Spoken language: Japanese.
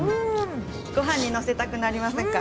ごはんに載せたくなりませんか？